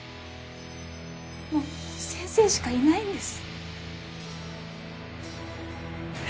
もう先生しかいないんです。